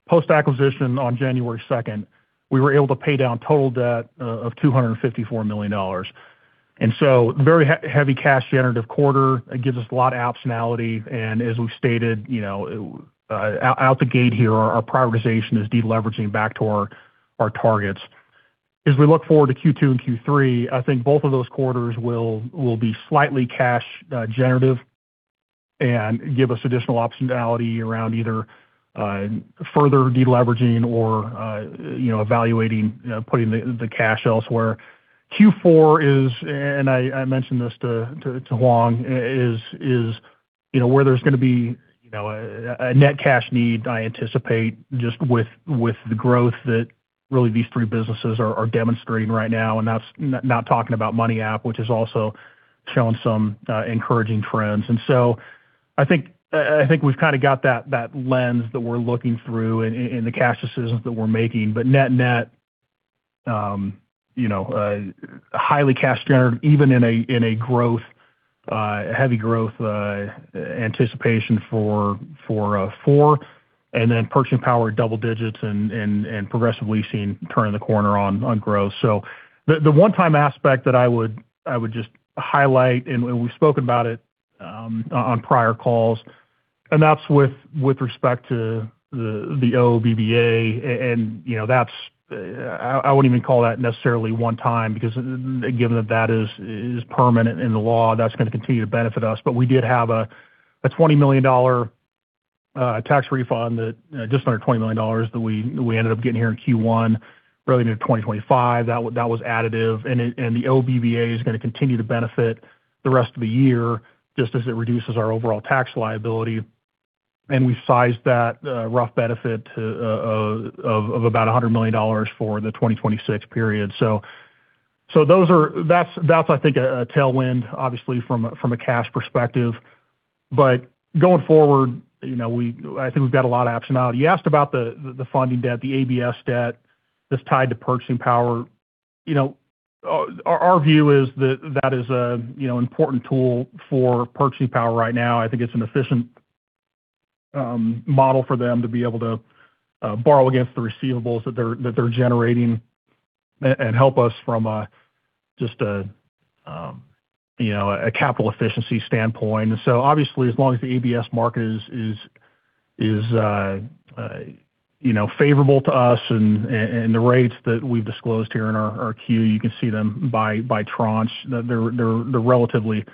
post-acquisition on January 2nd, we were able to pay down total debt of $254 million. Very heavy cash generative quarter. It gives us a lot of optionality. As we've stated, you know, out the gate here, our prioritization is deleveraging back to our targets. As we look forward to Q2 and Q3, I think both of those quarters will be slightly cash generative and give us additional optionality around either further deleveraging or you know, evaluating putting the cash elsewhere. Q4 is, and I mentioned this to Hoang, is, you know, where there's gonna be, you know, a net cash need, I anticipate, just with the growth that really these three businesses are demonstrating right now, and that's not talking about Money App, which is also showing some encouraging trends. I think we've kinda got that lens that we're looking through in the cash decisions that we're making. Net-net, you know, highly cash generative, even in a growth heavy growth anticipation for Four, and then Purchasing Power double digits and Progressive Leasing turning the corner on growth. The one-time aspect that I would just highlight, and we've spoken about it on prior calls, and that's with respect to the OBBA. You know, I wouldn't even call that necessarily one time because given that that is permanent in the law, that's gonna continue to benefit us. We did have a $20 million tax refund that just under $20 million that we ended up getting here in Q1 early into 2025. That was additive. The OBBA is gonna continue to benefit the rest of the year just as it reduces our overall tax liability. We sized that rough benefit of about $100 million for the 2026 period. That's I think a tailwind obviously from a cash perspective. Going forward, you know, I think we've got a lot of optionality. You asked about the funding debt, the ABS debt that's tied to Purchasing Power. You know, our view is that that is you know important tool for Purchasing Power right now. I think it's an efficient model for them to be able to borrow against the receivables that they're generating and help us from a just you know a capital efficiency standpoint. Obviously as long as the ABS market is you know favorable to us and the rates that we've disclosed here in our 10-Q, you can see them by tranche. They're relatively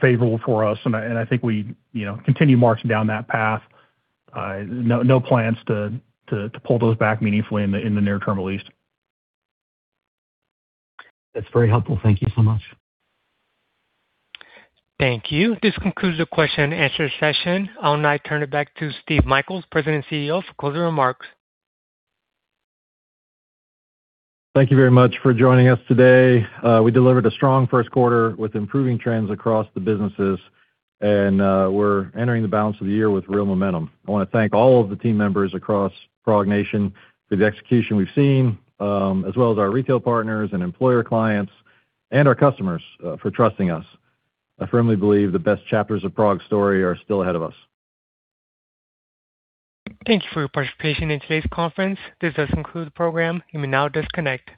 favorable for us. I think we, you know, continue marching down that path. No plans to pull those back meaningfully in the near term at least. That's very helpful. Thank you so much. Thank you. This concludes the question-and-answer session. I'll now turn it back to Steve Michaels, President and CEO, for closing remarks. Thank you very much for joining us today. We delivered a strong first quarter with improving trends across the businesses, and we're entering the balance of the year with real momentum. I wanna thank all of the team members across PROG nation for the execution we've seen, as well as our retail partners and employer clients and our customers for trusting us. I firmly believe the best chapters of PROG story are still ahead of us. Thank you for your participation in today's conference. This does conclude the program. You may now disconnect.